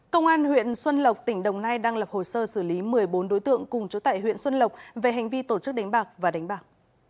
công an huyện xuân lộc tỉnh đồng nai đang lập hồ sơ xử lý một mươi bốn đối tượng cùng chú tại huyện xuân lộc về hành vi tổ chức đánh bạc và đánh bạc